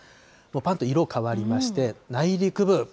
ぱんと色変わりまして、内陸部。